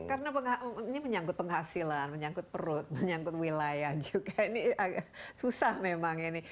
karena ini menyangkut penghasilan menyangkut perut menyangkut wilayah juga ini agak susah memang ini